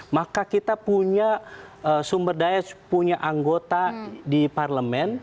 maka kita punya sumber daya punya anggota di parlemen